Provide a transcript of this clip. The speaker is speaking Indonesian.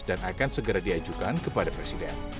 dan akan segera diajukan kepada presiden